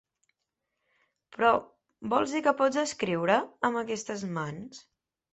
Però vols dir que pot escriure, amb aquestes mans?